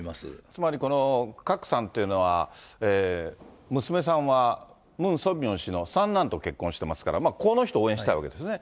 つまりこのクァクさんっていうのは、娘さんはムン・ソンミョン氏の三男と結婚してますから、この人応援したいわけですよね。